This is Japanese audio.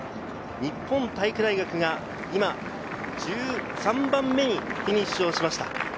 日本体育大学が１３番目にフィニッシュしました。